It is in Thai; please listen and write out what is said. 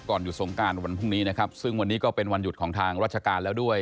ก่อนหยุดสงการวันพรุ่งนี้นะครับซึ่งวันนี้ก็เป็นวันหยุดของทางราชการแล้วด้วย